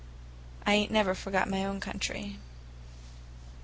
I ain't never forgot my own country."